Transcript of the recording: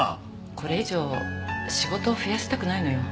これ以上仕事を増やしたくないのよ。